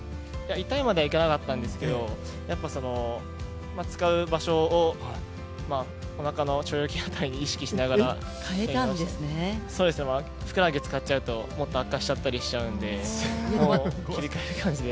痛いまではいかなかったんですけど使う場所をおなかの腸腰筋あたりを意識しながらふくらはぎを使っちゃうともっと悪化しちゃったりしちゃうんで、切り替える感じで。